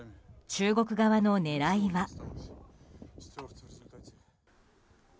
中国側の狙いは。